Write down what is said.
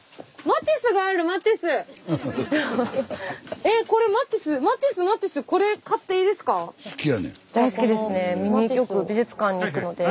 スタジオよく美術館に行くので。